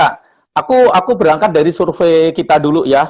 ya aku berangkat dari survei kita dulu ya